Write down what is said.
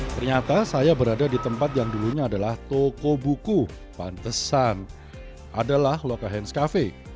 ternyata saya berada di tempat yang dulunya adalah toko buku pantesan adalah lokahenscafe